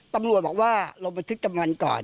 ตำรวจบอกว่าเราไปทึกกำลังก่อน